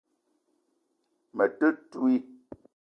Me te ntouii